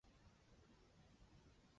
每年在法国的维苏举办。